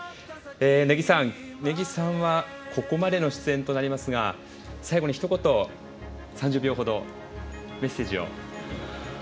根木さんはここまでの出演となりますが最後にひと言、メッセージを。